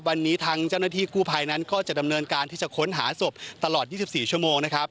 วันนี้ทางเจ้าหน้าที่กู้ภัยนั้นก็จะดำเนินการที่จะค้นหาศพตลอด๒๔ชั่วโมงนะครับ